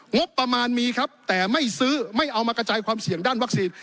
งบประมาณมีครับแต่ไม่ซื้อไม่เอามากระจายความเสี่ยงด้านวัคซีน